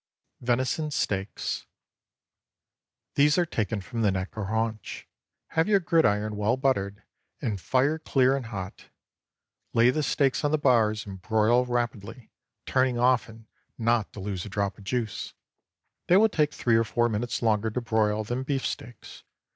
VENISON STEAKS. ✠ These are taken from the neck or haunch. Have your gridiron well buttered, and fire clear and hot. Lay the steaks on the bars and broil rapidly, turning often, not to lose a drop of juice. They will take three or four minutes longer to broil than beef steaks.